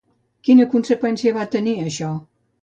Quina conseqüència va tenir això?